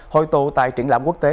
hội tụ tại triển lãm quốc tế